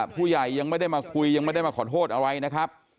ผู้ใหญ่ยังไม่ได้มาคุยยังไม่ได้มาขอโทษอะไรนะครับ